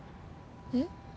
えっ？